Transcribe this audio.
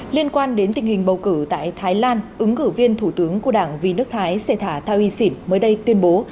liên quan đến tình hình bầu cử tại thái lan ứng cử viên thủ tướng của đảng vnth xê thả thao y xỉn mới đây tuyên bố